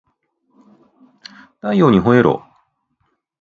太陽にほえろ